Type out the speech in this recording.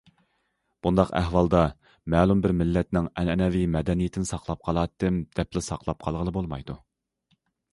بۇنداق ئەھۋالدا، مەلۇم بىر مىللەتنىڭ ئەنئەنىۋى مەدەنىيىتىنى ساقلاپ قالاتتىم، دەپلا ساقلاپ قالغىلىمۇ بولمايدۇ.